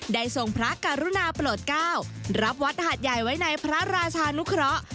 ทรงพระกรุณาโปรดเก้ารับวัดหาดใหญ่ไว้ในพระราชานุเคราะห์